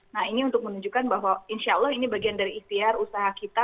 nah ini untuk menunjukkan bahwa insya allah ini bagian dari ikhtiar usaha kita